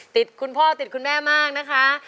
ติดคุณพ่อติดคุณแม่มากนะคะ